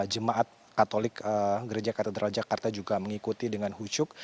jemaat katolik gereja katedral jakarta juga mengikuti dengan hujuk